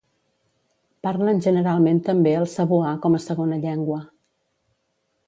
Parlen generalment també el cebuà com a segona llengua.